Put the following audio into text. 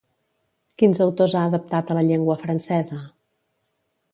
Quins autors ha adaptat a la llengua francesa?